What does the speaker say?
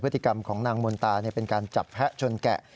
ติกรรมของนางมนตาเป็นการจับแพะชนแกะ